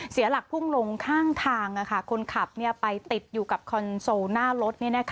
เสียหลักพุ่งลงข้างทางคนขับไปติดอยู่กับคอนโซลหน้ารถ